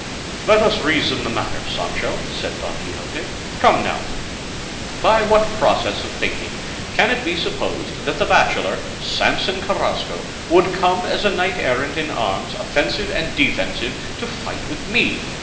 "Let us reason the matter, Sancho," said Don Quixote. "Come now, by what process of thinking can it be supposed that the bachelor Samson Carrasco would come as a knight errant, in arms offensive and defensive, to fight with me?